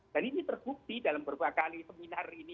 dan ini terbukti dalam berbagai kali seminar ini